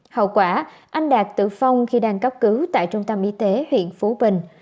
hậu quả anh đạt tử vong khi đang cấp cứu tại trung tâm y tế huyện phú bình